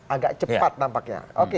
agak cepat nampaknya